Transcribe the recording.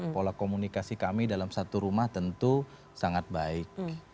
pola komunikasi kami dalam satu rumah tentu sangat baik